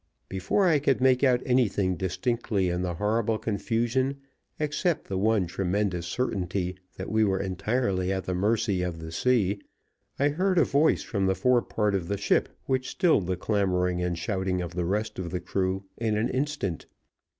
Before I could make out anything distinctly in the horrible confusion except the one tremendous certainty that we were entirely at the mercy of the sea, I heard a voice from the fore part of the ship which stilled the clamoring and shouting of the rest of the crew in an instant.